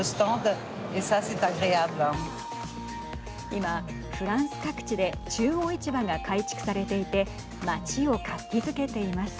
今、フランス各地で中央市場が改築されていて街を活気づけています。